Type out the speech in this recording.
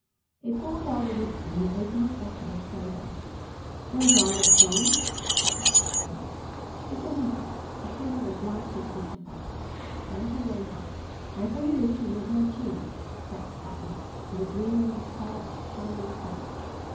He poured out the whisky and opened a bottle of soda. "Don't drown it, John," said the captain. He said nothing, but handed a glass to each of us. Then he went out. "I saw you lookin' at my Chink," said Butler, with a grin on his fat, shining face.